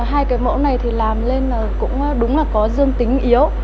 hai cái mẫu này thì làm lên là cũng đúng là có dương tính yếu